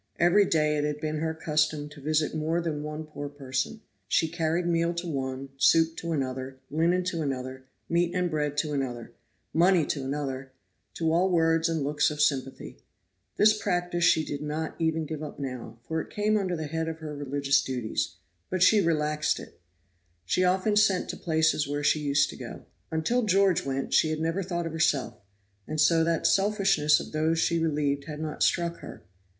Every day it had been her custom to visit more than one poor person; she carried meal to one, soup to another, linen to another, meat and bread to another, money to another to all words and looks of sympathy. This practice she did not even now give up, for it came under the head of her religious duties; but she relaxed it. She often sent to places where she used to go. Until George went she had never thought of herself; and so the selfishness of those she relieved had not struck her.